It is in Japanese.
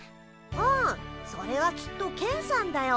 うんそれはきっとケンさんだよ。